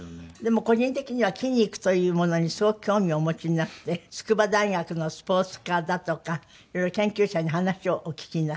個人的には筋肉というものにすごく興味をお持ちになって筑波大学のスポーツ科だとかいろいろ研究者に話をお聞きになった？